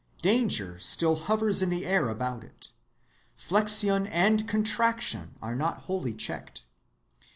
Danger still hovers in the air about it. Flexion and contraction are not wholly checked.